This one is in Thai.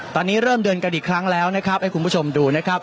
ตอนนี้เริ่มเดินกันอีกครั้งแล้วนะครับให้คุณผู้ชมดูนะครับ